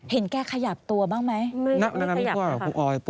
เห็นแกขยับตัวบ้างไหม